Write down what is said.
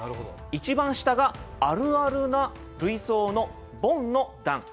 一番下があるあるな類想のボンの段。